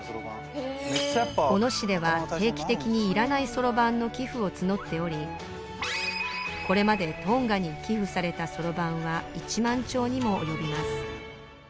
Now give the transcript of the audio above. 小野市では定期的にいらないそろばんの寄付を募っておりこれまでトンガに寄付されたそろばんは１万丁にも及びます